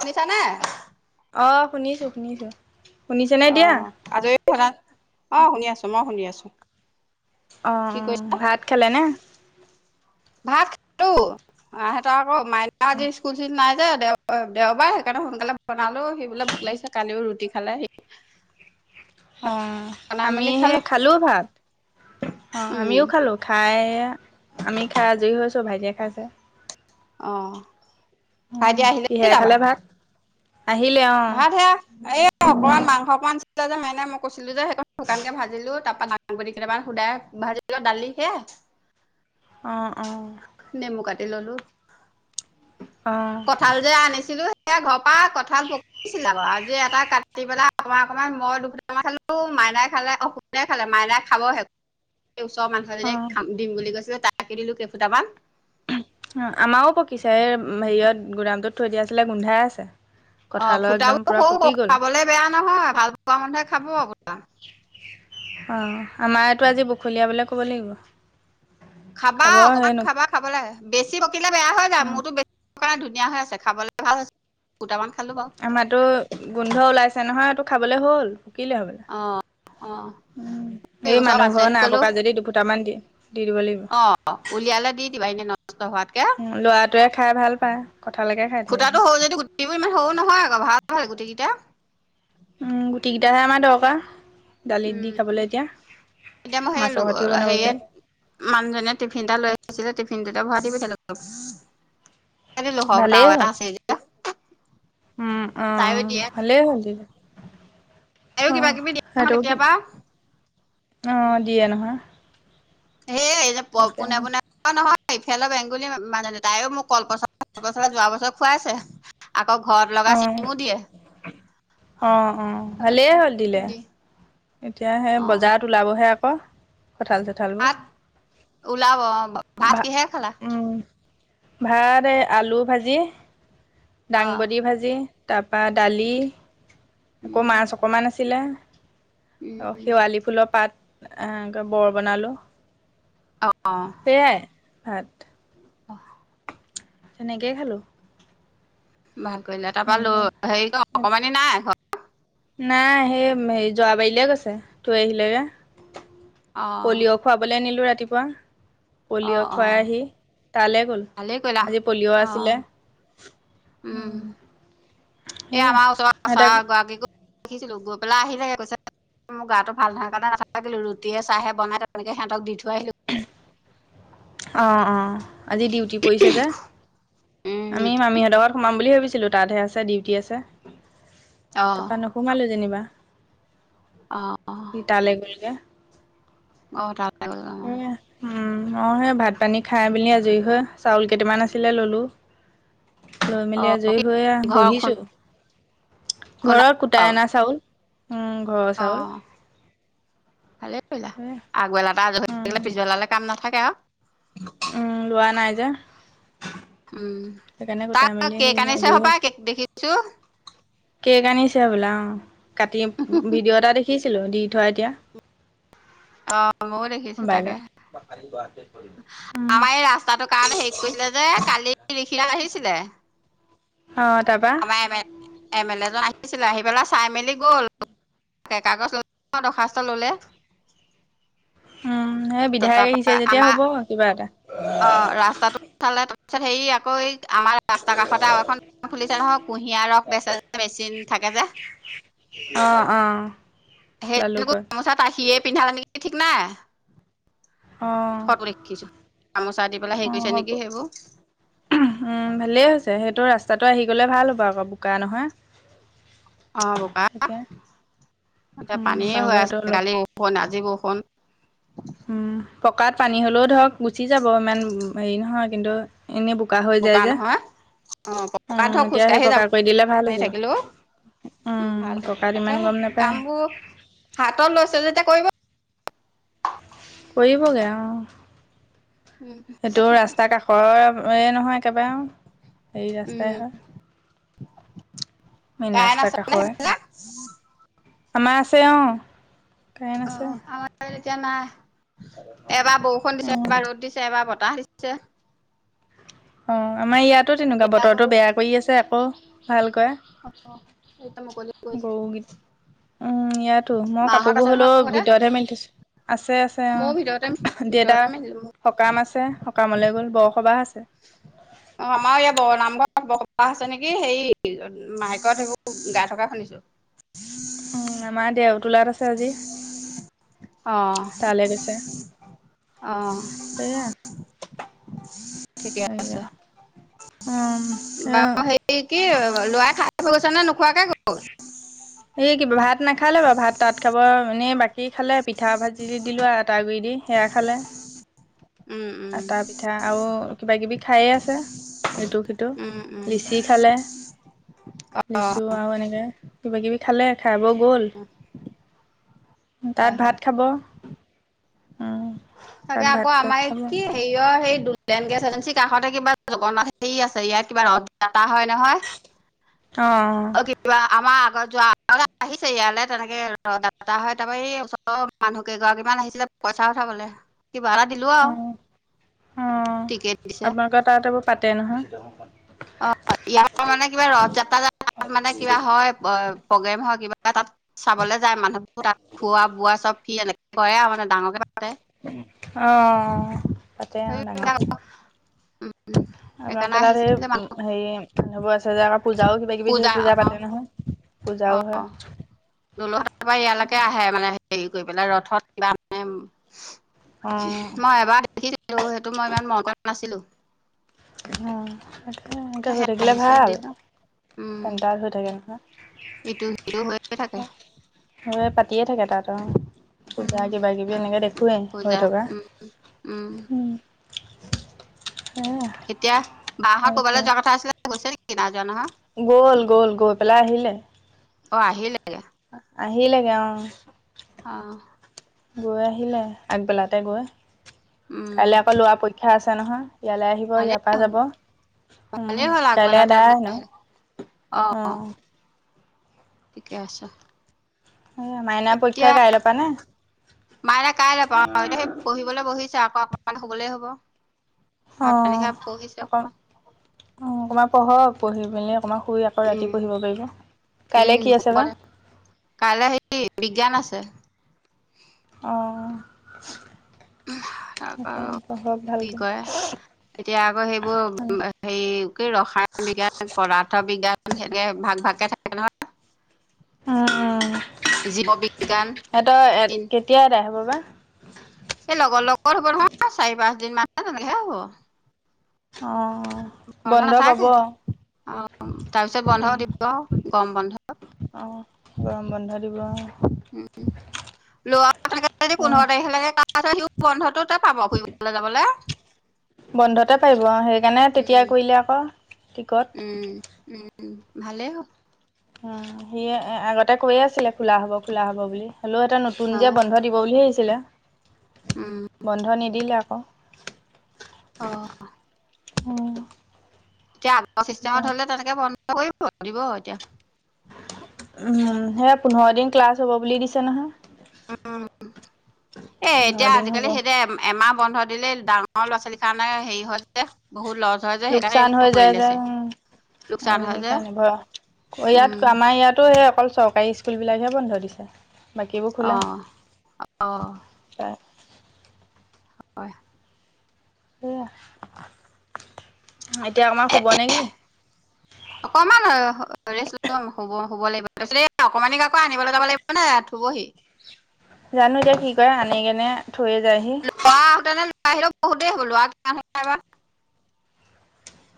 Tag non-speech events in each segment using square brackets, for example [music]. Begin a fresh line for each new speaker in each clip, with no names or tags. শুনিছা নে?
অ', শুনিছো, শুনিছো। শুনিছেনে এতিয়া
অ', আজৰি হ'লা? অ', শুনি আছোঁ, মই শুনি আছোঁ।
অ', ভাত খালে নে?
ভাত খালোঁ, এহেঁতেৰ আকৌ মাইনা
অঁ
আজি স্কুল [unintelligible] নাই সেয়া দেও- দেওবাৰ, সেইকাৰণে সোনকালে বনালো, সি বোলে ভোক লাগিছে, কালিও ৰুটি খালে সি।
অ',
বনাই
আমি
মেলি খালো।
সেই খালোঁ ভাত। অ,
উম,
আমিও খালো, খাই এয়া আমি খাই আজৰি হৈছো, ভাইটিয়ে খাইছে।
অ',
অঁ
ভাইটি আহিলে [unintelligible]
কিহেৰে
তা পা?
খালে ভাত আহিলে অঁ
ভাত হেয়া এই অকমান মাংস অকমান [unintelligible] যে, মানে মই কৈছোঁ যে, সেই শুকানকে ভাজিলোঁ, তাপা [unintelligible] কেইটামান শুদাই ভাজিলোঁ, দালি সেয়াই।
অ', অ'।
এ ললো।
অঁ অঁ
কঁঠাল যে আনিছিলো সেয়া ঘৰৰ পৰা কঁঠাল পকিছিলে আকৌ আজি এটা কাটি পেলাই অকণমান, অকণমান মই দুুফুটামান খালোঁ, মাইনাই খালে অ' সোনদাই খালে মাইনাই খাব হে। এই ওচৰৰ মানুহ এজনিয়ে
অঁ
খাম, দিম বুলি কৈছিলে তাইক দিলোঁ কেইফুটামান।
অ' আমাও পকিছে এই হেৰিয়ত গুদামটোত থৈ দিয়া আছিলে গোন্ধাই আছে।
অ'
কঁঠালৰ একদম
ফুটাবোৰ
পূৰা
সৰু
পকি
সৰু
গ'ল
খাবলে বেয়া নহয় ভাল পোৱা মানুহে খাব।
অ' আমাৰ এটো আজি বখলীয়াবলে ক'ব লাগিব।
খাবা
খাব সেই
অকণমান
ন
খাবা, খাব লাগে। বেছি পকিলে বেয়া হৈ যায়।
অঁ
মোৰতো বেছি পোৰা ধুনীয়া হৈ আছে খাবলে ভাল হৈছে। ফুটামান খালো বাৰু
আমাটো গোন্ধ ওলাইছে, নহয় সেটো খাবলে হ'ল। কিলে হ'বলা।
অ অ
উ, এই
ওচৰৰ
মানুহ ঘৰৰ
পাচনি
নাই
কলো
পকা যদি দুফুটামান দি দি দিব লাগিব
অ' উলিয়ালে দি দিবা এনেই নষ্ট হোৱাতকে।
ল'ৰাটোৱে খাই ভাল পায় কঁঠালকে খাই থাকে সি
ফুটাটো সৰু যদিও গুটিবোৰ ইমান সৰু নহয় আকৌ ভাল। ভাল গুটিগিতা।
উম গুটি গিতাহে আমাৰ দৰকাৰ। দালিত দি
উম
খাবলৈ এতিয়া।
এতিয়া মই সেই
মাছৰ হতিও বনাব
হেৰিয়াত
পাৰি।
মানুহজনে টিফিন এটা লৈ আহিছিলে টিফি টিফিনটোতে ভৰাই দি পঠিয়ালো অলপ। [unintelligible]
ভালেই
আও এটা
হ'ল
আছেই যেতিয়া।
উম অ' অ' ভালেই হ'ল দিলি।
তাইও কিবা কিবি দিয়ে
অ'
নহয়
আৰু কি
কেতিয়াবা
অ' দিয়ে নহয়।
হেই এই যে প
তাকে
পোনে পোনে ঘৰ নহয় ইফাল বেংগুলী মা-মানুহজনী। তাইও মোক কলপচলা চলপচলা যোৱা বছৰ খুৱাইছে। আ অ' ঘৰত লগা
অ
ছিমো দিয়ে।
অ' অ' ভালেই হ'ল দিলে।
দি
এতিয়া হে
অ
বজাৰত ওলাবহে আকৌ। কঁঠাল চঠালবোৰ,
ভাত ওলাব অ ভাত
ভা,
কিহে খালা
উম। ভাত এই আলু ভাজি,
অ
দাংবডী ভাজি।
উম
[unintelligible] আৰু শেৱালি ফুলৰ পাত এ বৰ বনালোঁ।
অ'
ভাত।
অহ।
তেনেকেই খালোঁ।
ভাল কৰিলে তাপা ল হেই ক অকণমানি নাই ঘৰত?
নাই।
অ
পলিঅ' খুৱাবলৈ নিলো ৰাতিপুৱা।
অ
পলিঅ'
অ
খুৱাই আহি তালৈ গ'ল।
ভালেই কৰিলা
আজি পলিঅ'
অ
আছিলে।
উম। এ
সেয়া
আমাৰ ওচৰৰ আছা
সিহঁতক
গৰাকিকো দেখিছিলো গৈ পেলাই আহিলেগে কৈছে মোৰ গাটো ভাল নহয় কাৰণে নাথাকিলো। ৰুটিয়ে চাহে বনাই তেনেকে সিহঁতক দি থৈ আহিলো
অ', অ। আজি ডিউটি পৰিছে যে
উম
আমি
ডিউটি
মামিহঁতৰ ঘৰত সোমাম বুলি ভাবিছি ছিলো তাতহে আছে ডিউটি আছে।
অ
তাপা নোসোমালো যেনিবা।
অ অ
সি তালে গ'লগে।
অ' তা
এয়াহ, উ। উম মই হে ভাত পানী খাই মেলি আজৰি হৈ চাউল কেইটামান আছিলে ল'লো লৈ
অ অ
মেলি আজয়ী হৈ এয়া
ঘৰ খুন
বহিছোঁ।
খুন্দা
ঘৰত কুটাই অনা চাউল। উম ঘৰৰ
অ'
চাউল
ভালেই কৰিলা আগবেলাটা আজৰি হৈ
উম
থাকিলে পিছবেলালে কাম নাথ তাকে আওঁ।
উম লোৱা নাই যে।
উ'ম
সেইকাৰণে গোটাই
তাত
মেলি আহি
কেক আনিছে
আজৰি
হপাই
হৈছে
কেক দেখিছোঁ।
কেক আনিছে বোলা। অ', কাটিম ভিডিঅ' এটা দেখিছিলো দি থওঁ এতিয়া।
অ' মইও দেখিছো তাকে।
মোবাইলত উম,
আমাৰ এই ৰাস্তাটোৰ কাৰণে হেৰি কৰিছিলে যে কালি এইখিলা আহিছিলে।
অ' তাবা
এমে লে জন আহিছিলে আহি পেলাই চাই -মেলি গ'ল। তাই কাগজ লক দৰখাস্ত ল'লে।
উম এই বিধায়ক
তাৰ
আহিছে
পৰা
যেতিয়া
আমাৰ
হ'ব কিবা এটা।
পিছত হেৰি আকৌ আমাৰ ৰাস্তাৰ কাষতে আৰু এখন খুলিছে নহয়। কুঁহিয়াৰ ৰস বেচা বেচিন থাকে যে।
অ', অ',
সেই
লালুকত
লগত গামোচাত আহিয়ে পিন্ধালে নেকি ঠিক নাই?
অ',
ফটো দেখিছো, গামোচা দি পেলাই হেৰি
অ',
কৰিছে
হ'ব।
নেকি সেইবোৰ।
উ'ম, ভালেই হৈছে সেইটো ৰাস্তাটো আহি গ'লে ভাল হ'ব আকৌ বোকা নহয়।
অ' বোপা
এতিয়া।
তাতে
উম,
পানীয়ে হৈ আছে
বাওঁগাইটো অলপ
কালি বৰষুণ, আজি বৰষুণ।
বোকাত পানী হলেও ধৰক গুচি যাব ইমান হেৰি নহয় কিন্তু- এনেই বোকা হৈ যায় যে,
অ পকাত ধৰ
উ'ম এতিয়া সেই
খোজকাঢ়ি যাব
পকা কৰি দিলে ভাল হৈ
পানী
যাব।
থাকিলেও উ'ম ভাল হ'ব,
পকাত ইমান
তাকেহে
গম নাপায়
কাম বোৰ হাতত লৈছে, যেতিয়া কৰিব।
কৰিব গে, অ'।
উম
সেইটো
সেইটোৱে কথা
ৰাস্তা কাষৰ, হেৰি নহয় একবাৰে আও। সেই
উম
ৰাস্তাই হয়। মেইন
কাৰেণ্ট
ৰাস্তা
আছেনে
কাষৰে।
সেইফালে
আমাৰ আছে, অ', কাৰেণ্ট
অ
আছে।
আমাৰ ইয়াত এতিয়া নাই এবাৰ বৰষুণ দিছে,
উম
এবাৰ ৰ'দ দিছে, এবাৰ বতাহ দিছে।
অ' আমাৰ ইয়াতো তেনেকুৱা,
এতিয়া আকৌ
বতৰটো
অ
বেয়া কৰি আছে, আকৌ ভালকৈ।
এতিয়া মুকলি কৰিছে
বড়ো গীত, উ'ম, ইয়াতো মই
মাহঁত আছে
কাপোৰবোৰ
নহয়
হলেও
ঘৰতে
ভিতৰতহে মেলি থৈছোঁ। আছে, আছে।
ময়ো ভিতৰতে
অ', দেউতা
ভিতৰতে মেলিলো
সকাম আছে সকামলৈ গ'ল বৰসভা আছে। [unintelligible]
অ', আমাৰ ইয়াত বৰ নামঘৰত বসবাহ আছে নেকি, সেই মাইকত সেইবোৰ গায় থকা শুনিছোঁ।
উ'ম, আমাৰ দেওতোলাত আছে আজি।
অ'।
তালৈ গৈছে
অ'।
সেয়া
ঠিকে
সেয়া
আছে,
উম
বাও হেৰীত কি লৰাই খায় গৈছে নে, নোখোৱাকে ক'ত গ'ল?
এই কিবা ভাত নাখালে হব, ভাত তাত খাব এনেই বাকী সি খালে। পিঠা ভাজিৰে দিলো আতা গুৰি দি সেয়া খালে।
উম উম
আটা, পিঠা আৰু কিবা কিবি খায়ে আছে। ইটো - সিটো
উম উম
লিচি খালে। লিচু আৰু এনেকে কিবা -কিবি খালে খাব গ'ল। তাত
হয়
ভাত
হয়
খাব। উম
তাকে
তাত
আকৌ
ভাত তাত
আমাৰ
খাব অ
কি হেৰি ও অ' সেই প্লান গেছ এজেঞ্চিৰ কাষতে কিবা জগন্নাথ হেৰি আছে ইয়াত কিবা অভ্যাস হয়, নহয় অ', কিবা আমাৰ আ যোৱা আহিছে। ইয়ালৈ তেনেকে দাদা হয়, তাৰ এই ওচৰৰ মানুহ কেইগৰাকীমান আহিছিলে, পইচা খাবলে কিবা এটা দিলো
অ
আও
অ
টিকেট দিছে।
আপোনালোকৰ তাত এইবোৰ পাতে নহয়।
অ' ইয়াত মানে কিবা ৰথ যাত্ৰা তাত মানে কিবা হয়, প্ৰগ্ৰেম হয় কিবা তাত চাবলৈ যায় মানুহে তাত খোৱা বোৱা চব ফ্ৰী। এনেকে খুৱায় মানে ডাঙৰকে পাতে।
আহ পাতে অ'
সেইবিলাক
ডাঙকৈ।
সেইকাৰণে
আপোনালোকে তাত সেই
আহিছিলে
উ
মানুহ
হেৰি মানুব আছে যে, পূজাও কিবা কিবি ধে পূজা পাতে নহয়। পূজাও
অ
হয়
দুলহাটৰ পৰা ইয়ালৈকে আহে মানে হেৰি কৰি পেলাই ৰথত কিবা মেম
অ
মই এবাৰ দেখিছিলো সেইটো মই ইমান মন কৰা নাছিলো।
অ সে এনেকে হৈ
সেয়া
থাকিলে
আহিছে
ভাল।
দিনত উম
চেন্তাৰ হৈ থাকে নহয়
ইটো সিটো হৈয়ে থাকে
গ প। দিয়ে থাকে তাত অ। পূজা
উম
কিবা কিবি এনেকে দেখোৱেই হৈ
পূজা
থকা।
উম উম
উ।
এতিয়া বাঁহত ক'বালে
সেয়া
যোৱা কথা আছিলে গৈছে নেকি নাই যোৱা নহয়।
গ'ল গ'ল গ' পেলাই আহিলে,
অ আহিলে,
আহিলে গে অ'
আহ!
গৈ আহিলে আগবেলাতে গৈ
উম
কাইলৈ আকৌ লৰা পৰীক্ষা আছে নহয়। ইয়ালৈ আহিব
ভালেই
ইয়াৰ পৰা
হ'ল
যাব,
ভালেই
উম
হ'ল আগবেলাতে
তলেদনো
অ
অম
ঠিকে আছে।
মাইনা পৰীক্ষা
এতিয়া
কাই লপা নে?
মায়ে অকমান শুবলে হ'ব। ভাত পানী
অ'
খাই পঢ়িছে
অক অ'
অকণমান
অকণমান পঢ়ক পঢ়ি মেলি অকণমান, শুই আকৌ
উম
ৰাতি পহিব পাৰিব,
উম
কাইলৈ কি
শুব
আছে, বা?
কাইলৈ সে বিজ্ঞান আছে।
অ'
তাৰপা
তাকে
অ'
পঢ়ক
কি
ভালকে
কৰে, এতিয়া আকৌ সেইবোৰ হেৰি কি ৰসায়ন বিজ্ঞান পদাৰ্থ বিজ্ঞান। সেনেকে ভাগ ভাগকে থাকে নহ,
উম উম
জীৱ বিজ্ঞান
সিহতৰ
তিন,
কেতিয়া এটা হ'ব বা,
এই লগৰ লগৰ হ'ব নহয় চাৰি পাঁচ দিন মান তেনেকে হ'ব,,
অ'
বন্ধ
পাব।
নাথাকে,
অ',
অ' তাৰপিছত বন্ধ দিব আও গৰম বন্ধ।
অ' গৰম বন্ধ দিব আও।
উ লৰাও থাকে যদি, পোন্ধৰ তাৰিখ লেকে লাগে ত সিও বন্ধটোত, তাতে পাব ফুৰিবলৈ যাবলৈ,
বন্ধতে পাৰিব সেইকাৰণে তেতিয়া
উম
কৰিলে আকৌ টিকট,
উম উম ভালেই হ'
উম সি আগতে কৈয়ে আছিলে খোলা হ'ব খোলা হ'ব বুলি। হেল্ল' এটা নতুন
হ'ল
যে
অ
বন্ধ দিব বুলি ভাবিছিলে
উম
বন্ধ নিদিলে, অ'
অ'
আহ!
এতিয়া আগ চিষ্টেমত হলে তেনেকে বন্ধ কৰিব দিব এতিয়া,
উম সেয়া পোন্ধৰ দিন ক্লাছ হ'ব বুলি দিছে নহয়।
উ এ
পোন্ধৰ
এতিয়া
দিন হ'ব।
আজিকালি সেইতিয়া এমাহ বন্ধ দিলেই ডাঙৰ, ম ল'ৰা ছোৱালীৰ কাৰণে হেৰি হয় যে বহুত লৰ
লোকচান হৈ যায় যে উ,
লোকচান
আজি
হয় যে
সেইকাৰণে ব
উম
ইয়াত আমাৰ ইয়াতো সেই, অকল চৰকাৰী স্কুলবিলাকহে বন্ধ দিছে বাকীবোৰ
অ
খোলা।
অ হয়।
য়া এতিয়া আমাক শুব নেকি?
অকমান হব হ'ব লাগিব তাৰপিছত এই অকমানিক আকৌ আনিবলৈ যাব লাগিব নে শুবহি
জানো এতিয়া কি কৰে আনি গেনে থৈয়ে যায়হি
বাহিৰত বহুত দেৰি হ'লো আৰু বাৰ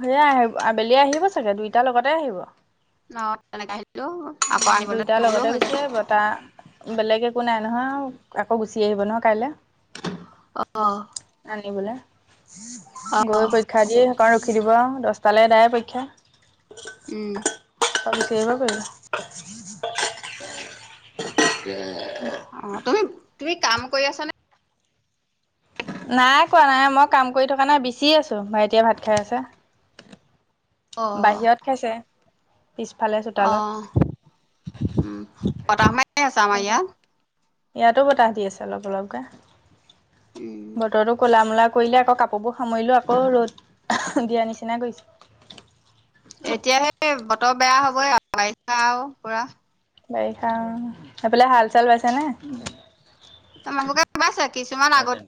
সেয়াই আহিব আবেলি আহিব চাগে দুইটাৰ লগতে আহিব।
অহ, তেনেকা আহিলেও আকৌ
উ
আনিবলৈ
দুইটাৰ
নগলেও
লগতে
হৈ যায়
গুচি
তেতিয়া
বতাহ বেলেগ একো নাই। নহয় আকৌ গুচি আহিব নহয় কাইলে।
অ
আনিবলে,
অ
গৈ পৰীক্ষা দি সেইকাৰণে ৰখি দিব দহ তালে দাই অপেক্ষা।
উম
তাল সেইবা পছ এ
অহ', তুমি, তুমি কাম কৰি আছানে?
নাই কোৱা নাই মই কাম কৰি থকা নাই বিচি আছোঁ ভাইটিয়ে ভাত খাই আছে।
অ
বাহিৰত খাইছে। পিছফালে চোতালত
অহ', উম' বতাহ মাৰি আছে আমাৰ
তাৰপা
ইয়াত।
ইয়াতো বতাহ দি আছে অলপ অলপকে,
উম,
বতৰতো কলা মলা কৰিলে আকৌ কাপোৰবোৰ সামৰিলো, আকৌ ৰ'দ দিয়াৰ নিচিনা কৰিছে।
এতিয়াহে বতৰ বেয়া হবই আৰু বাৰিষা আৰু পুৰা।
বাৰিষা এইফালে হাল চাল বাইছে নে
মানুহকে ভ পাইছে কিছুমান আগত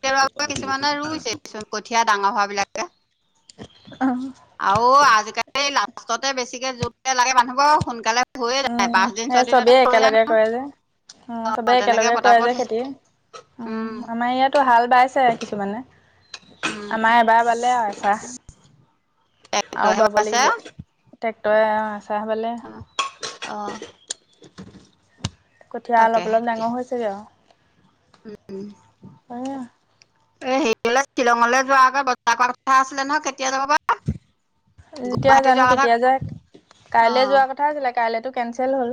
কিছুমানে ৰুইছে কিছুমান কঠীয়া ডাঙৰ হোৱা বিলাকে
উম
আৰু আজিকালি লাষ্টতে বেছিকে জোত লাগে মানুহবোৰ সোনকালে হৈয়ে যায়
উম
পাঁচ দিন
সেই
ছয় দিনতে
চবেই
হৈ যায় ন।
একেলগে কৰে যে উ
অ',
চবে
তেনেকে
একেলগে কৰে
পতাপত
যে খেতি উ
উম,
আমাৰ ইয়াতো হাল বাইছে কিছুমানে ৷
উম,
আমাৰ এবাৰ বালে আৰু এছাহ ৷ আৰু
ট্ৰেক্টৰহে
বাব
বাইছে
লাগিব ট্ৰেক্টৰে চাহবলে
অ'।
কঠীয়া অলপ
তাকেহে
অলপ
এতিয়া
ডাঙৰ হৈছেগে আৰু [unintelligible]
এ হেৰি হলে শ্বিলঙলৈ যোৱা আগত বজাৰ কৰা কথা আছিলে নহয় কেতিয়া যাবা
যেতিয়া জানো কেতিয়া যাই কাইলে
অ',
যোৱা কথা আছিলে কাইলেতো কেঞ্চেল হ'ল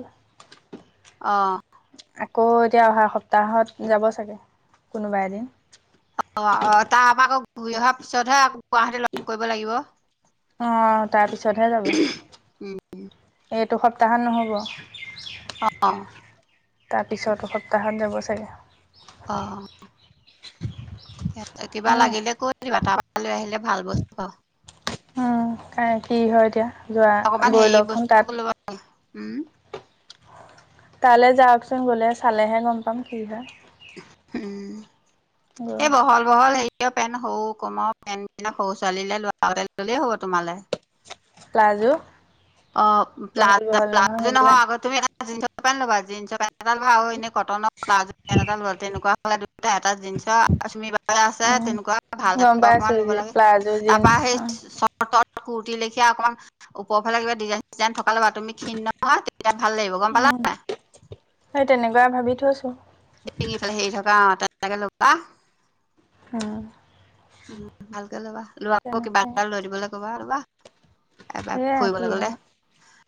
অ',
আকৌ এতিয়া অহা সপ্তাহত যাব চাগে কোনোবা এদিন
অ' অ' তাৰপৰা আকৌ ঘূৰি অহাৰ পিছতহে আকৌ গুৱাহাটী লগ কৰিব লাগিব
অঁ তাৰপিছতহে যাব এইটো সপ্তাহত নহ'ব
অ
তাৰপিছতো সপ্তাহত যাব চাগে
িকছে কিবা
উম,
লাগিলে কৈ দিবা তাৰপ লৈ আহিলে ভাল বস্তু
উম কা কি হয় এতিয়া যোৱা
অকমান
গৈ
হেৰি
লওকচোন তাত
বস্তু লব ল উম
তালৈ যাওকচোন গলে চালেহে গম পাম কি হয়
উম
গৈ
এই বহল বহল হে পেণ্ট সৰু কমৰ পেণ্টবিলাক সৰু ছোৱালীলৈ লোৱাগতে ল'লেই হ'ব তোমালৈ
প্লাজু
অ' প্লাজো প্লাজো হোৱা
সেইবিলাক
আগ তুমি এটা জিনস পেন ল'বা জিনস পেন এডাল বাউ এনেই কটনৰ প্লাজু পেন এটা লোৱা তেনেকুৱা হলে দুটা এটা জিনস তুমি আছে
উম,
তেনেকুৱা ভাল এ
গম পাইছো
অকমান লব লাগে
প্লাজো
তাৰপা
জীন্স
সেই
অঁ
চৰ্টত কুৰ্তি লেখিয়া অকমান ওপৰ ফালে কিবা জাইন ডিজাইন থ গম পালাবা তুমি ক্ষীণ নহয় তেতিয়া ভাল লাগিব গম পালান
উম
নাই
সেই তেনেকুৱা ভাবি থৈছো
ফালে হেৰি থকা অ তাতকে ল'বা।
অঁ
উম ভালকে ল'ৰাক লৌ কিবা এটা লৈ দিবলৈ কবা ৰ'বা। এ
সেয়াই
ফুৰিব
কি
লাগল দে
হয়।